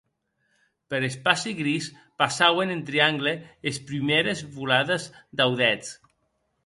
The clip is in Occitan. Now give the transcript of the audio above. Per espaci gris passauen en triangle es prumères volades d’audèths.